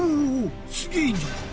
すげえいんじゃん。